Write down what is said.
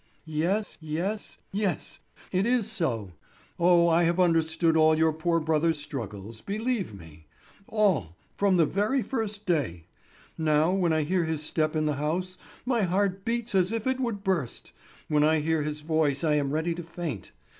"Yes, yes, yes, it is so! Oh, I have understood all your poor brother's struggles, believe me! All—from the very first day. Now, when I hear his step in the house my heart beats as if it would burst, when I hear his voice I am ready to faint.